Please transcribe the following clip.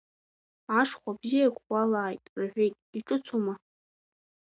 Ашхәа бзиак уалааит рҳәеит, иҿыцума?